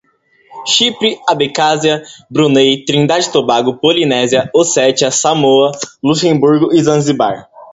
Chipre, Abecásia, Brunei, Trinidad e Tobago, Polinésia, Ossétia, Samoa, Luxemburgo, Zanzibar